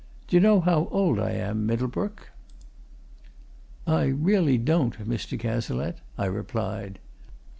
D'ye know how old I am, Middlebrook?" "I really don't, Mr. Cazalette," I replied.